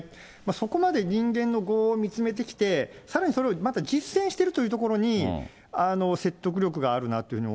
そこまで人間の業を見つめてきて、さらにそれをまた実践しているというところに、説得力があるなというふうに。